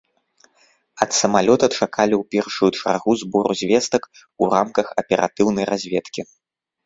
Ад самалёта чакалі ў першую чаргу збору звестак у рамках аператыўнай разведкі.